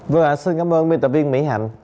vâng xin cảm ơn biên tập viên mỹ hạnh